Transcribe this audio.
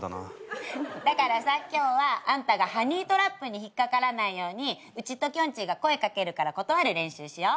だから今日はあんたがハニートラップに引っかからないようにうちときょんちぃが声かけるから断る練習しよう。